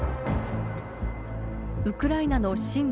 ウクライナの親